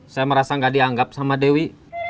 saya merasa nggak dianggap sama dewi